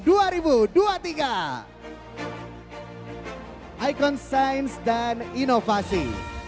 selamat kepada ikon sains dan inovasi